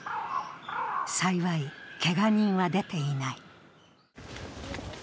幸いけが人は出ていない。